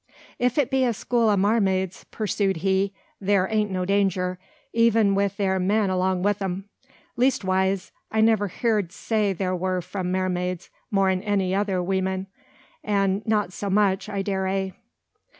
"If it be a school o' maremaids," pursued he, "theer an't no danger, even wi' theer men along wi' 'em. Leastwise, I never heerd say there wur from maremaids more'n any other weemen; an' not so much, I dare ay.